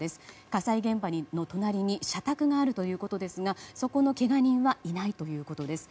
火災現場の隣に社宅があるということですがそこのけが人はいないということです。